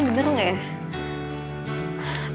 ini bener gak ya